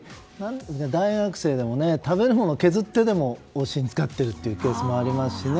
大学生でも食べるものを削ってでも推しに使っているというケースもありますし。